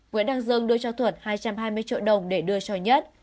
nguyễn đăng dương đưa cho thuận hai trăm hai mươi triệu đồng để đưa cho nhất